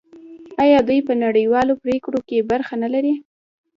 آیا دوی په نړیوالو پریکړو کې برخه نلري؟